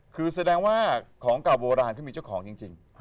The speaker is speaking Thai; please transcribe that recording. คือแสดงว่าของเก่าโบราณเขามีเจ้าของจริง